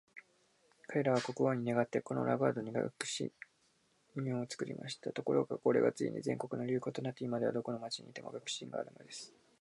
彼等は国王に願って、このラガードに学士院を作りました。ところが、これがついに全国の流行となって、今では、どこの町に行っても学士院があるのです。